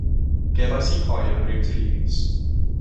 Gefais i hoe am rhyw dri mis.